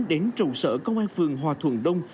đến trụ sở công an phường hòa thuận đông